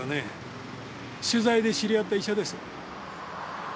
取材で知り合った医者です。